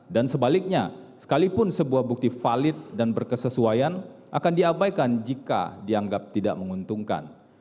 sebaliknya sekalipun sebuah bukti valid dan berkesesuaian akan diabaikan jika dianggap tidak menguntungkan